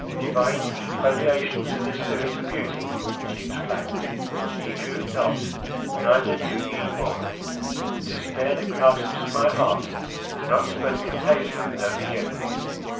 —"Divine infoliations of the spirit of beauty," she exclaimed, "Ye droop not, neither do ye mourn; the despair that clasps my heart, has not spread contagion over you!